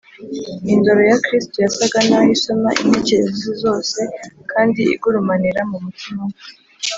indoro ya kristo yasaga n’aho isoma intekerezo ze zose kandi igurumanira mu mutima we